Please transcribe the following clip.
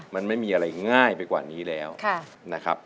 มันไม่มีอะไรง่ายไปกว่านี้แล้วนะครับ